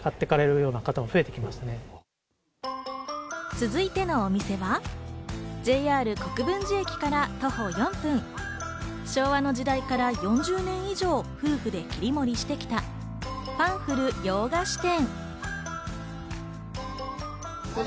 続いてのお店は、ＪＲ国分寺駅から徒歩４分、昭和の時代から４０年以上夫婦で切り盛りしてきたファンフル洋菓子店。